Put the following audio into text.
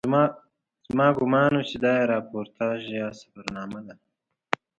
زما ګومان و چې دا یې راپورتاژ یا سفرنامه ده.